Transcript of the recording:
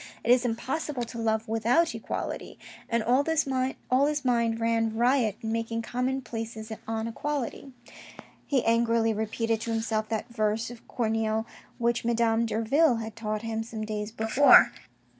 It is impossible to love without equality ... and all his mind ran riot in making common places on equality. He angrily repeated to himself that verse of Corneille which Madame Derville had taught him some days before.